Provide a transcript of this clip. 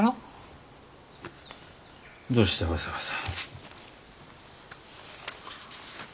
どうしてわざわざ。